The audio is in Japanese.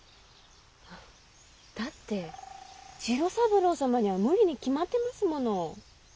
だって次郎三郎様には無理に決まってますもの。